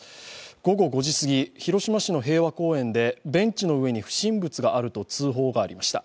午後５時過ぎ、広島市の平和公園でベンチの上に不審物があると通報がありました。